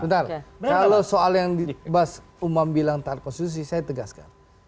benar kalau soal yang bas umam bilang taat konstitusi saya tegaskan